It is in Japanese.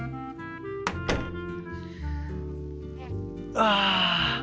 ああ。